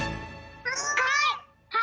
はい！